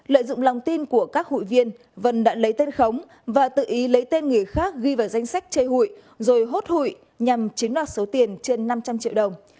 lợi dụng lòng tin của các hụi viên vân đã lấy tên khống và tự ý lấy tên người khác ghi vào danh sách chơi hụi rồi hốt hụi nhằm chiếm đoạt số tiền trên năm trăm linh triệu đồng